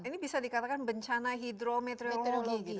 ini bisa dikatakan bencana hidrometeorologi